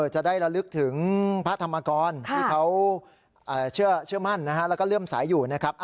จะได้ระลึกถึงพระธรรมกรที่เขาเชื่อมั่นแล้วก็เลื่อมสายอยู่นะครับ